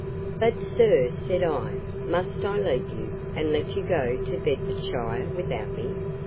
But, sir, said I, must I leave you, and let you go to Bedfordshire without me?